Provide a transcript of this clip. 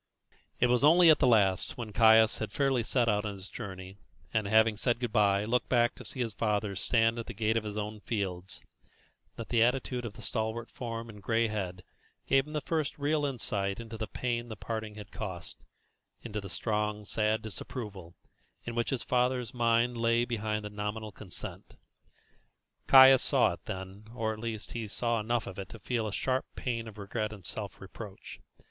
It was only at the last, when Caius had fairly set out on his journey, and, having said good bye, looked back to see his father stand at the gate of his own fields, that the attitude of the stalwart form and gray head gave him his first real insight into the pain the parting had cost into the strong, sad disapproval which in the father's mind lay behind the nominal consent. Caius saw it then, or, at least, he saw enough of it to feel a sharp pang of regret and self reproach.